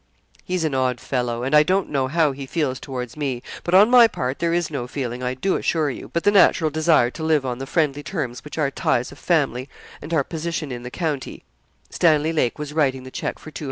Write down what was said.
'He's an odd fellow; and I don't know how he feels towards me; but on my part there is no feeling, I do assure you, but the natural desire to live on the friendly terms which our ties of family and our position in the county' Stanley Lake was writing the cheque for 200_l.